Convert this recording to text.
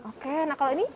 oke nah kalau ini